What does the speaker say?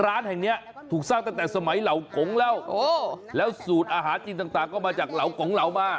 ร้านแห่งเนี้ยถูกสร้างตั้งแต่สมัยเหล่ากงแล้วแล้วสูตรอาหารจีนต่างก็มาจากเหล่ากงเหล่ามา